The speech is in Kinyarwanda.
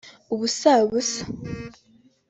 ubusabusa